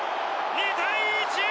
２対１！